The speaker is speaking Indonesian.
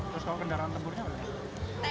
terus kalau kendaraan tempurnya berapa